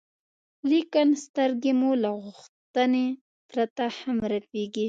لیکن سترګې مو له غوښتنې پرته هم رپېږي.